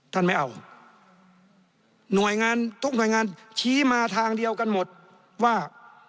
ท่านไม่เอาหน่วยงานทุกหน่วยงานชี้มาทางเดียวกันหมดว่า